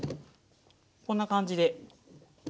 こんな感じで。